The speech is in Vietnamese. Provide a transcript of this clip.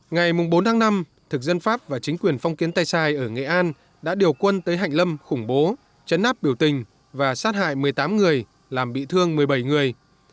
ngày bốn tháng năm thực dân pháp và chính quyền phong kiến tây sai ở nghệ an đã điều quân tới hạnh lâm khủng bố chấn áp biểu tình và sát hại một mươi tám người làm bị thương một mươi bảy người